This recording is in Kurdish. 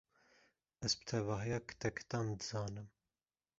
Ez bi tevahiya kitekitan dizanim.